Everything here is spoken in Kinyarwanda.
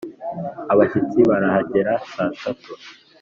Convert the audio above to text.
abashyitsi barahagera saa tatu